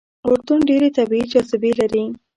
اردن ډېرې طبیعي جاذبې لري.